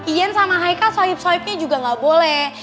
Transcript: ian sama haikal soib soibnya juga gak boleh